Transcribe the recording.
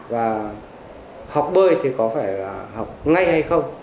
và học bơi thì có phải là học ngay hay không